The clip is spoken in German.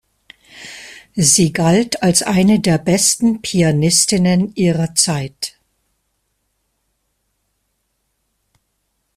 Sie galt als eine der besten Pianistinnen ihrer Zeit.